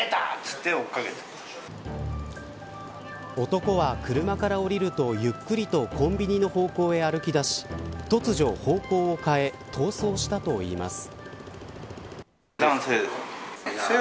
男は車から降りるとゆっくりとコンビニの方向へ歩き出し突如、方向を変え逃走したといいます。